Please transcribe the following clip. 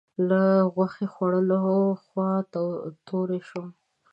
له غوښې خوړلو خوا توری شوم.